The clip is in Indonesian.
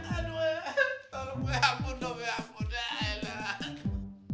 aduh ampun ampun ampun ayolah